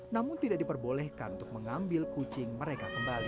namun tidak diperbolehkan untuk mengambil kucing mereka kembali